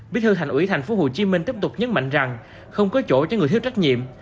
bí thư hành ủy thành phố hồ chí minh tiếp tục nhấn mạnh rằng không có chỗ cho người thiếu trách nhiệm